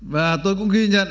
và tôi cũng ghi nhận